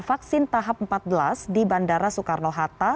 vaksin tahap empat belas di bandara soekarno hatta